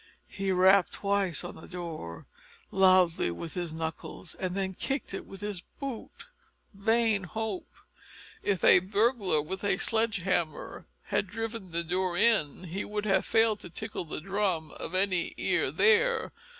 He rapped twice on the door, loudly, with his knuckles and then kicked it with his boot. Vain hope! If a burglar with a sledge hammer had driven the door in, he would have failed to tickle the drum of any ear there.